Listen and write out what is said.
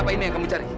apa ini yang kamu cari